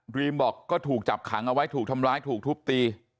รีมบอกก็ถูกจับขังเอาไว้ถูกทำร้ายถูกทุบตี